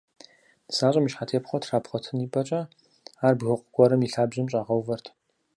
НысащӀэм и щхьэтепхъуэр трапхъуэтын ипэкӀэ ар бгыкъу гуэрым и лъабжьэм щӀагъэувэрт.